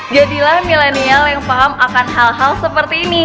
jadilah milenial yang paham akan hal hal seperti ini